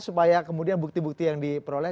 supaya kemudian bukti bukti yang diperoleh